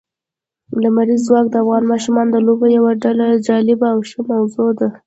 لمریز ځواک د افغان ماشومانو د لوبو یوه ډېره جالبه او ښه موضوع ده.